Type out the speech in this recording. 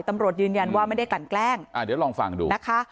ตำรวจยืนยันว่าไม่ได้กลั่นแกล้งอ่าเดี๋ยวลองฟังดูนะคะ